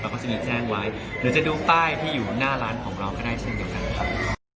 ก็จะมีแจ้งไว้หรือจะดูป้ายที่อยู่หน้าร้านของเราก็ได้เช่นเดียวกันครับ